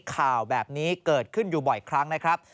ข่าวแบบนี้เกิดขึ้นอยู่บ่อยครั้งนะครับ